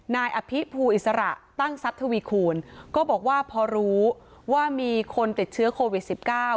นายอภิภูอิสระตั้งทรัพย์ทวีคูณก็บอกว่าพอรู้ว่ามีคนติดเชื้อโควิดสิบเก้า